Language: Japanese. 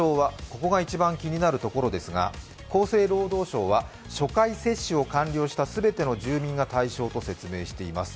ここが一番気になるところですが、厚生労働省は初回接種を完了した全ての住民が対象と説明しています。